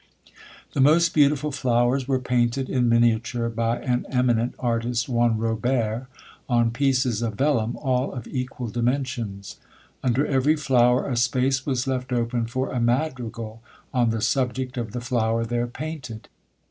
The most beautiful flowers were painted in miniature by an eminent artist, one Robert, on pieces of vellum, all of equal dimensions. Under every flower a space was left open for a madrigal on the subject of the flower there painted.